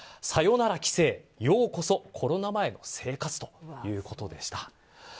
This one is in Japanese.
さよなら規制、ようこそコロナ前の生活ということでした。